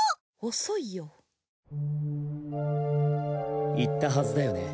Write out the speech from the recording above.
遅いよ言ったはずだよね